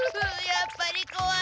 やっぱりこわい。